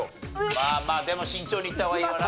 まあまあでも慎重にいった方がいいわな。